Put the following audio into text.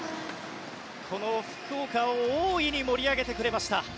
この福岡を大いに盛り上げてくれました。